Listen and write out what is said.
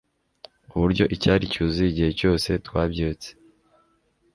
Uburyo icyari cyuzuye igihe cyose twabyutse